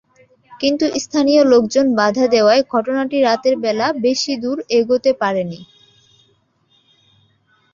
কিন্তু স্থানীয় লোকজন বাধা দেওয়ায় ঘটনাটি রাতের বেলা বেশি দূর এগোতে পারেনি।